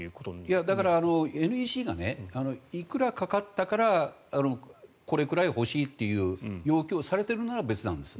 だから、ＮＥＣがいくらかかったからこれくらい欲しいという要求をされているなら別なんです。